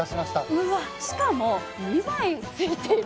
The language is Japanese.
うわしかも２枚付いてる。